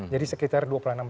jadi sekitar dua puluh enam